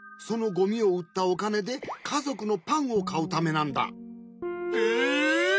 そのゴミをうったおかねでかぞくのパンをかうためなんだ。えっ！？